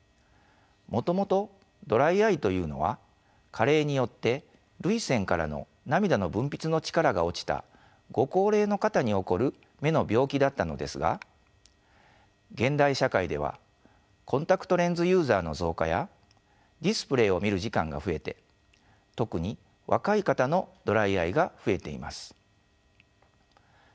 もともとドライアイというのは加齢によって涙腺からの涙の分泌の力が落ちたご高齢の方に起こる目の病気だったのですが現代社会ではコンタクトレンズユーザーの増加やディスプレイを見る時間が増えて特に若い方のドライアイが増えています。